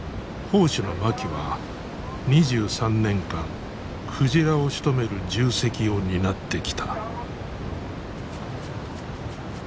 砲手の槇は２３年間鯨をしとめる重責を担ってきた。